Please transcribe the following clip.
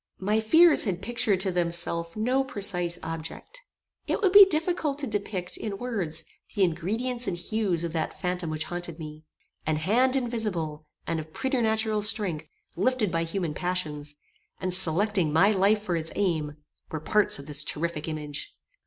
My fears had pictured to themselves no precise object. It would be difficult to depict, in words, the ingredients and hues of that phantom which haunted me. An hand invisible and of preternatural strength, lifted by human passions, and selecting my life for its aim, were parts of this terrific image.